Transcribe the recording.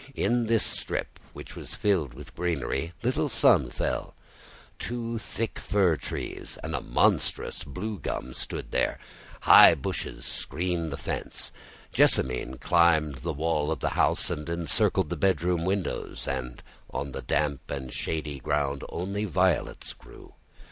In this strip, which was filled with greenery, little sun fell: two thick fir trees and a monstrous blue gum stood there; high bushes screened the fence; jessamine climbed the wall of the house and encircled the bedroom windows; and on the damp and shady ground only violets grew.